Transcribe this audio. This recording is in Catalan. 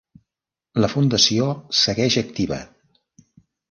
La fundació segueix activa.